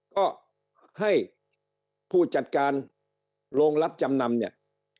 ก็ให้ผู้จัดการโรงรับจำนำเนี่ย